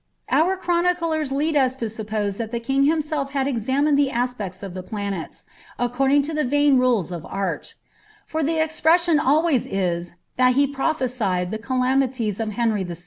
Our clironiclers lead us to suppose that the king himself hai! eXHiiiMl the aspect of the planets, nccoidiug to the vain rule* of art : for th* n pression always is, » that he prophesied* the calamities uf Httuj Yl.'